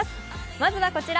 まずはこちら。